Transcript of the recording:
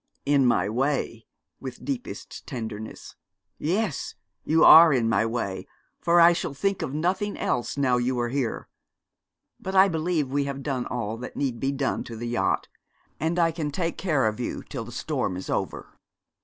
'In my way' (with deepest tenderness): 'yes, you are in my way, for I shall think of nothing else now you are here. But I believe we have done all that need be done to the yacht, and I can take care of you till the storm is over.'